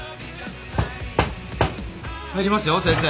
入りますよ先生。